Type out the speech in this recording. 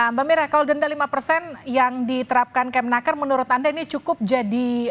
mbak mira kalau denda lima persen yang diterapkan kemnaker menurut anda ini cukup jadi